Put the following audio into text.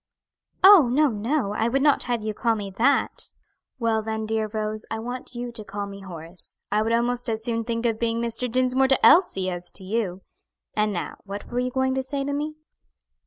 "Oh! no, no; I would not have you call me that!" "Well then, dear Rose, I want you to call me Horace. I would almost as soon think of being Mr. Dinsmore to Elsie, as to you. And now, what were you going to say to me?"